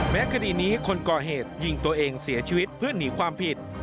คดีนี้คนก่อเหตุยิงตัวเองเสียชีวิตเพื่อหนีความผิด